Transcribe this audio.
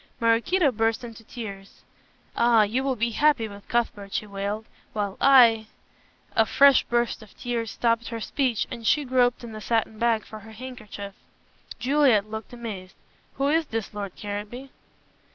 Maraquito burst into tears. "Ah, you will be happy with Cuthbert," she wailed, "while I " a fresh burst of tears stopped her speech and she groped in the satin bag for her handkerchief. Juliet looked amazed. "Who is this, Lord Caranby?"